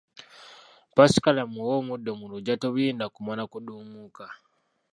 Ppaasikalamu oba omuddo mu luggya tobirinda kumala kuduumuuka